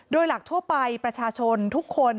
โดยหลักทั่วไปประชาชนทุกคน